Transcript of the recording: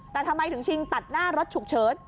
แต่ทำไมถึงชิงตัดหน้ารถฉุกเฉิน